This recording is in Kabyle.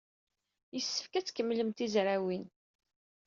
Yessefk ad tkemmlem tizrawin.